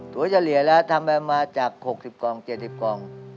เฉลี่ยแล้วทำไปมาจาก๖๐กล่อง๗๐กล่อง